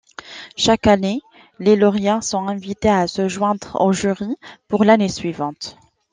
Chaque année, les lauréats sont invités à se joindre au jury pour l'année suivante.